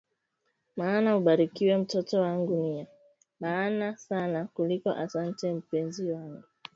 Maana ubarikiwe mtoto wangu niya mahana sana kuliko asante mpenzi wangu